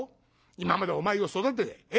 今までお前を育ててええ？